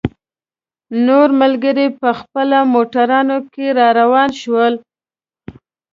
نور ملګري په خپلو موټرانو کې را روان شول.